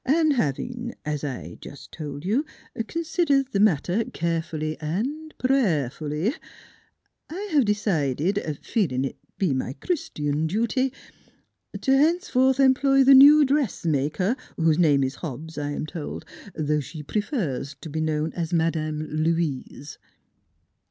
" An' havin', as I have jus' told you, con sidered th' matter, care fully an' pray'r fully, I have de cided feelin' it' t' be my Chr ristian dooty to hence forth employ the new dressmaker, whose name is Hobbs, I am told, though she pre fers to be known as Madame Louise."